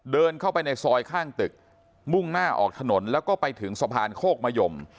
เดินเข้าไปในซอยข้างตึกมุ่งหน้าออกถนนแล้วก็ไปถึงสะพานโคกมะยม